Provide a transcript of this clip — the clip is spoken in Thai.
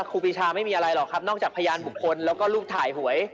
ครูปีชาไม่มีอะไรหรอกครับนอกจากพยานบุคคลแล้วก็รูปถ่ายหวย